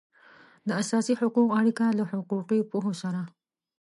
د اساسي حقوقو اړیکه له حقوقي پوهو سره